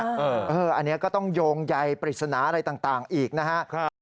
อันนี้ก็ต้องโยงใยปริศนาอะไรต่างอีกนะครับ